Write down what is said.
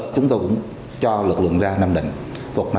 chúng tôi cũng cho lực lượng ra nam định